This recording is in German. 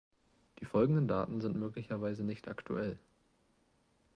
Die folgenden Daten sind möglicherweise nicht aktuell.